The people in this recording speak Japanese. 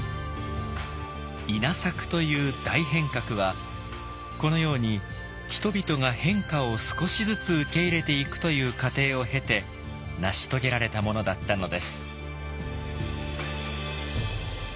稲作という大変革はこのように人々が変化を少しずつ受け入れていくという過程を経て成し遂げられたものだったのです。